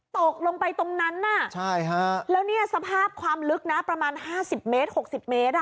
ตกลงไปตรงนั้นน่ะใช่ฮะแล้วเนี่ยสภาพความลึกนะประมาณ๕๐เมตร๖๐เมตร